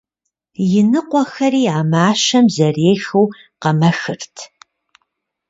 Иныкъуэхэри а мащэм зэрехыу къэмэхырт.